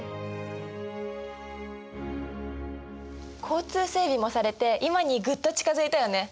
交通整備もされて今にぐっと近づいたよね。